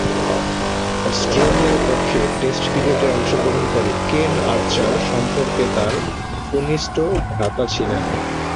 অস্ট্রেলিয়ার পক্ষে টেস্ট ক্রিকেটে অংশগ্রহণকারী কেন আর্চার সম্পর্কে তার কনিষ্ঠ ভ্রাতা ছিলেন।